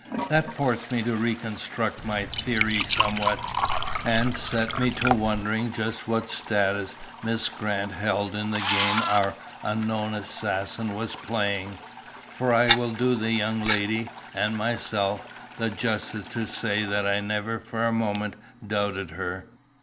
That forced me to reconstruct my theory somewhat, and set me to wondering just what status Miss Grant held in the game our unknown assassin was playing. For I will do the young lady, and myself, the justice to say that I never for a moment doubted her.